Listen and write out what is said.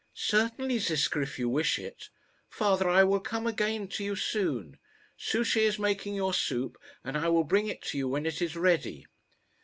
"Certainly, Ziska, if you wish it. Father, I will come again to you soon. Souchey is making your soup, and I will bring it to you when it is ready."